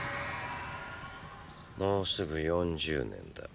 もうすぐ４０年だ。